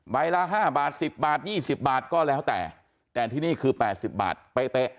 ใบละห้าบาทสิบบาทยี่สิบบาทก็แล้วแต่แต่ที่นี่คือแปดสิบบาทเป๊ะเป๊ะ